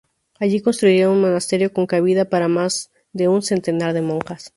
Allí construiría un monasterio con cabida para más de un centenar de monjas.